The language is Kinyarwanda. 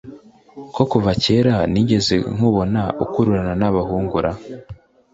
ko kuva kera ntigeze nkubona ukurarana nabahungu ra